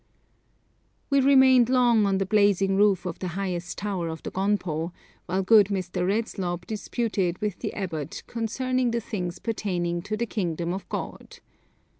We remained long on the blazing roof of the highest tower of the gonpo, while good Mr. Redslob disputed with the abbot 'concerning the things pertaining to the kingdom of God.'